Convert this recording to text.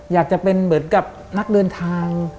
อยากจะเป็นเหมือนกับนักเดินทาง